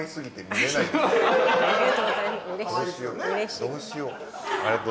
どうしよう。